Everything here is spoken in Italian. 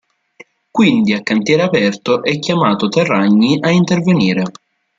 Quindi a cantiere aperto è chiamato Terragni a intervenire.